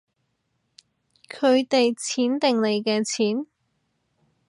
佢哋錢定你嘅錢